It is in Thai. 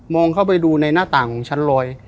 เข้าไปดูในหน้าต่างของชั้นลอย